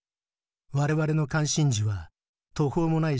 我々の関心事は途方もない